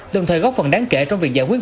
đồng thời góp phần đáng kể trong việc giải quyết